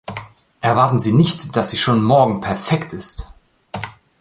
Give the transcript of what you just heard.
Erwarten Sie nicht, dass sie schon morgen perfekt ist!